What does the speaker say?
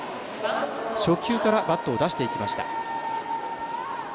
初球からバットを出していきました。